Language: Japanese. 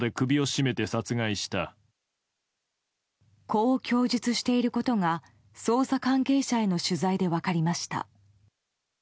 こう供述していることが捜査関係者への取材で分かりました。